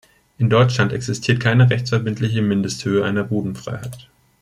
In Deutschland existiert keine rechtsverbindliche Mindesthöhe einer Bodenfreiheit.